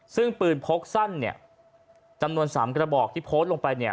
ซึ่งปืนพกสั้นจำนวน๓กระบอกที่โพสต์ลงไป